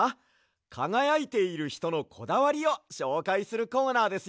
かがやいているひとのこだわりをしょうかいするコーナーですよ。